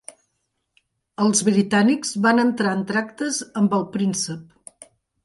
Els britànics van entrar en tractes amb el príncep.